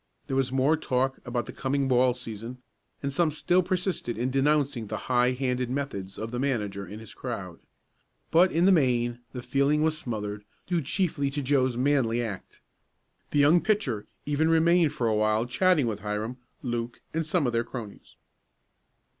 There was more talk about the coming ball season, and some still persisted in denouncing the high handed methods of the manager and his crowd. But in the main the feeling was smothered, due chiefly to Joe's manly act. The young pitcher even remained for a while chatting with Hiram, Luke and some of their cronies.